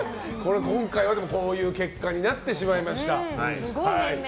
今回は、こういう結果になってしまいました。